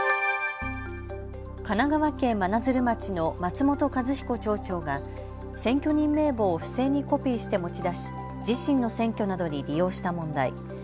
神奈川県真鶴町の松本一彦町長が選挙人名簿を不正にコピーして持ち出し自身の選挙などに利用した問題。